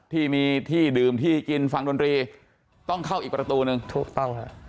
ที่มีที่ดื่มที่กินฟังดนตรีต้องเข้าอีกประตูหนึ่งถูกต้องค่ะ